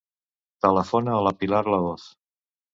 Telefona a la Pilar Lahoz.